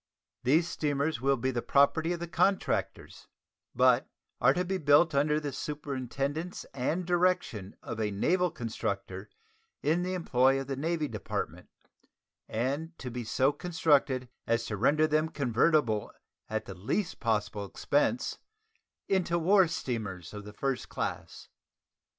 These steamers will be the property of the contractors, but are to be built "under the superintendence and direction of a naval constructor in the employ of the Navy Department, and to be so constructed as to render them convertible at the least possible expense into war steamers of the first class."